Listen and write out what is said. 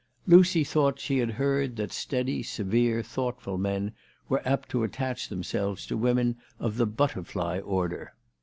Lucy thought she hach heard that steady, severe, thoughtful men were apt to attach themselves to women of the butterfly order.